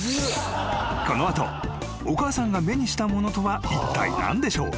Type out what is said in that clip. ［この後お母さんが目にしたものとはいったい何でしょう？］